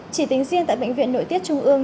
chỉ tính riêng tại bệnh viện nội tiết trung ương